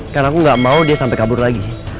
karena aku gak mau dia sampai kabur lagi